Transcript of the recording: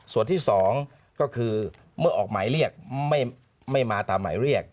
ส่วนที่๒ก็คือเมื่อออกหมายเรียกไม่มาตามหมายเรียก